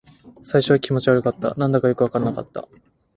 最初は気持ち悪かった。何だかよくわからなかった。